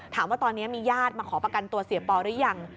ถามว่าตอนนี้มีญาติมาขอประกันตัวเสียปอหรือยัง